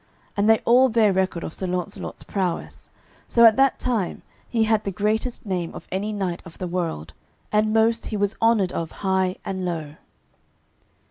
And they all bare record of Sir Launcelot's prowess, so at that time he had the greatest name of any knight of the world, and most he was honoured of high and low.